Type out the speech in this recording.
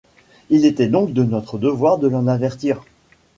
Il était donc de notre devoir de l'en avertir.